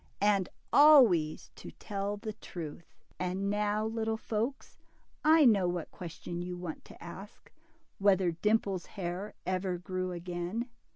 And always to tell the truth. And now, little folks, I know what question you want to ask : whether Dimple's hair ever grew again.